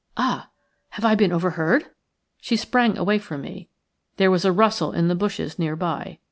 Ah! have I been overheard?" She sprang away from me. There was a rustle in the bushes near by.